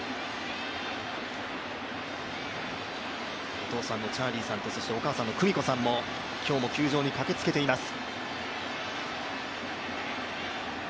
お父さんのチャーリーさんと、お母さんの久美子さんも今日も球場に駆けつけています。